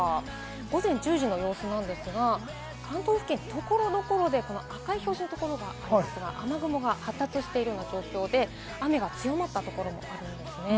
午前１０時の様子なんですが、関東付近、所々で赤い表示のところがありますが、雨雲が発達している状況で雨が強まったところもあるんですね。